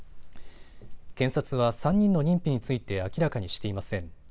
検察は３人の認否について明らかにしていません。